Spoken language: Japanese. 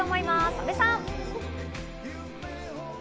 阿部さん。